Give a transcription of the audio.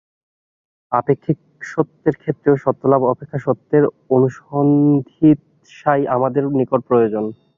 আপেক্ষিক সত্যের ক্ষেত্রেও সত্যলাভ অপেক্ষা সত্যের অনুসন্ধিৎসাই আমাদের নিকট প্রয়োজন।